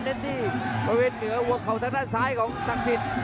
ในที่ประเวทเหนือวงเขาทางด้านซ้ายของสักทิศ